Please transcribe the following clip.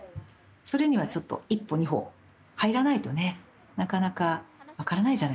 それにはちょっと１歩２歩入らないとねなかなか分からないじゃないですか。